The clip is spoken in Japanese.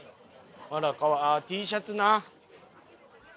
あらああＴシャツな。